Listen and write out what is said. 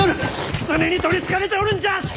狐に取りつかれておるんじゃ！